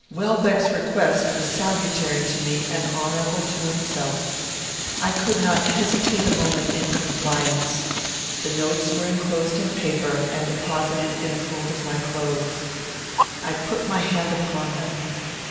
Welbeck's request was salutary to me and honourable to himself. I could not hesitate a moment in compliance. The notes were enclosed in paper, and deposited in a fold of my clothes. I put my hand upon them.